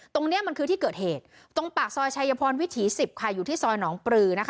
ตรงนี้มันคือที่เกิดเหตุตรงปากซอยชายพรวิถี๑๐ค่ะอยู่ที่ซอยหนองปลือนะคะ